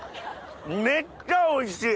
めっちゃおいしい。